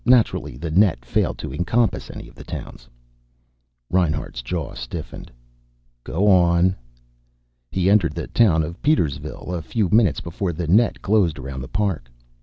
Naturally the net failed to encompass any of the towns." Reinhart's jaw stiffened. "Go on." "He entered the town of Petersville a few minutes before the net closed around the park.